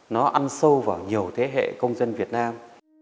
nó ăn sâu vào nhiều thế hệ công dân việt nam